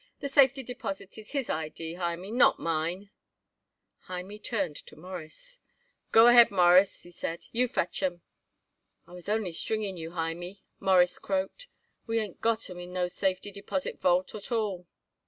"The safety deposit is his idee, Hymie, not mine." Hymie turned to Morris. "Go ahead, Mawruss," he said, "you fetch 'em." "I was only stringing you, Hymie," Morris croaked. "We ain't got 'em in no safety deposit vault at all."